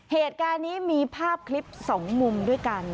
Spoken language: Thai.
เหตุการณ์นี้มีภาพคลิปสองมุมด้วยกัน